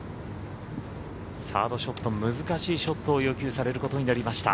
サードショット、難しいショットを要求されることになりました。